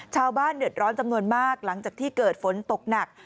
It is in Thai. ชาวบ้านเดือดร้อนจำนวนมากหลังจากที่เกิดฝนตกหนัก